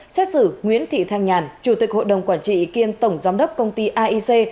xét xử nguyễn thị thanh nhàn chủ tịch hội đồng quản trị kiêm tổng giám đốc công ty aic